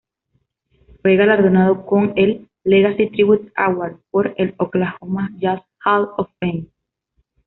Fue galardonado con el "Legacy Tribute Award" por el "Oklahoma Jazz Hall of Fame".